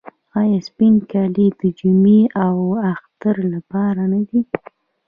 آیا سپین کالي د جمعې او اختر لپاره نه دي؟